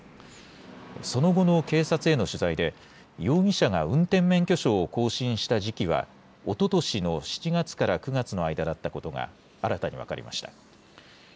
その後の警察への取材で、容疑者が運転免許証を更新した時期は、おととしの７月から９月の間だったことが、新たに分かりました。